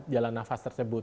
jalan nafas tersebut